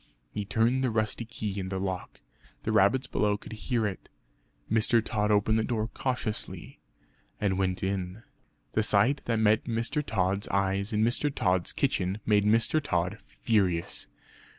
He turned the rusty key in the lock; the rabbits below could hear it. Mr. Tod opened the door cautiously and went in. The sight that met Mr. Tod's eyes in Mr. Tod's kitchen made Mr. Tod furious.